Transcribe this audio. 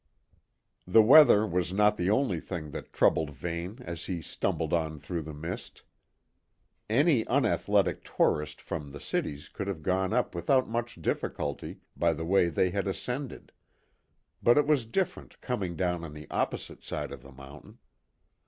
The weather was not the only thing that troubled Vane as he stumbled on through the mist. Any unathletic tourist from the cities could have gone up without much difficulty by the way they had ascended, but it was different coming down on the opposite side of the mountain.